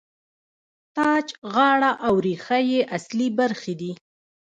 تاج، غاړه او ریښه یې اصلي برخې دي.